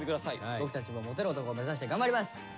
僕たちもモテる男を目指して頑張ります！